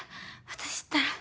私ったら。